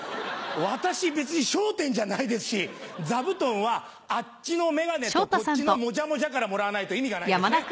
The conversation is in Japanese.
私別に笑点じゃないですし座布団はあっちのメガネとこっちのモジャモジャからもらわないと意味がないですね。